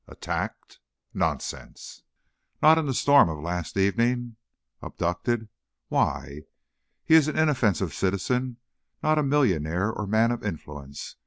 Attacked? Nonsense! Not in the storm of last evening. Abducted? Why? He is an inoffensive citizen, not a millionaire or man of influence.